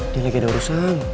dia lagi ada urusan